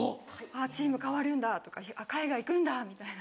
あっチーム変わるんだとか海外行くんだみたいな。